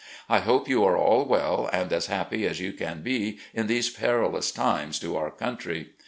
I hope you are all well, and as happy as you can be in these perilous times to our country.